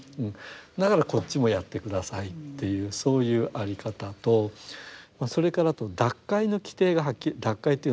だからこっちもやって下さいっていうそういう在り方とそれから脱会の規定がはっきりしてる。